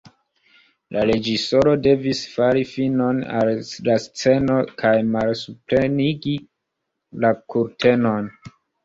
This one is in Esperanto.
La reĝisoro devis fari finon al la sceno kaj malsuprenigi la kurtenon.